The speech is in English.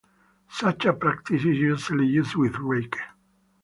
Such a practice is usually used with Rake.